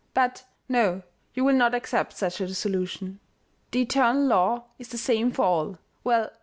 But, no, you will not accept such a solution. The eternal law is the same for all. Well